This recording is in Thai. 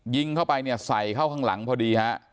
ยิงเข้าไปเนี่ยใส่เข้าข้างหลังพอดีฮะ